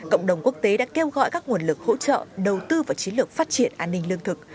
cộng đồng quốc tế đã kêu gọi các nguồn lực hỗ trợ đầu tư vào chiến lược phát triển an ninh lương thực